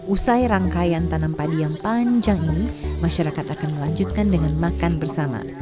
usai rangkaian tanam padi yang panjang ini masyarakat akan melanjutkan dengan makan bersama